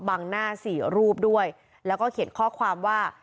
บังหน้าสี่รูปด้วยแล้วก็เขียนข้อความว่า